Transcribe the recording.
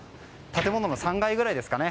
建物の３階くらいですかね。